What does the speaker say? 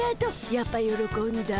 やっぱよろこんだ。